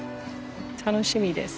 楽しみです。